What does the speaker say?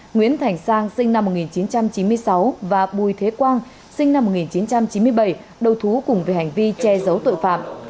nguyễn thành sang sinh năm một nghìn chín trăm chín mươi sáu và bùi thế quang sinh năm một nghìn chín trăm chín mươi bảy đầu thú cùng về hành vi che giấu tội phạm